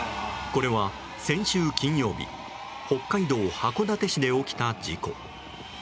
これは、先週金曜日北海道函館市で起きた事故。